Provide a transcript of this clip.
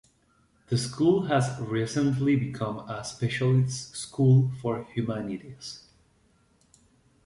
The school has recently become a specialist school for humanities.